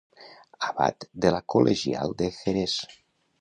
Abat de la col·legial de Jerez.